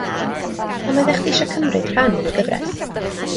Pam oeda chdi isio cymryd rhan yn y gyfres